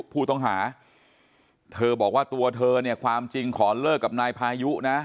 ผู้ต้องหาเธอบอกว่าตัวเธอเนี่ยความจริงขอเลิกกับนายพายุนะ